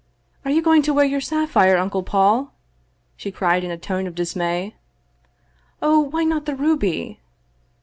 " Are you going to wear your sapphire. Uncle Paul !" she cried in a tone of dismay. " Oh, why not the ruby